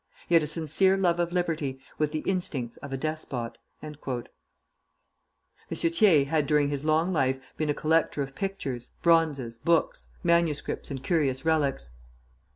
He had a sincere love of liberty, with the instincts of a despot." M. Thiers had during his long life been a collector of pictures, bronzes, books, manuscripts, and curious relics.